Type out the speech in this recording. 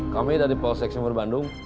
kami dati polsek semua di bandung